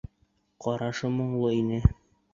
Ҡарашы моңло ине.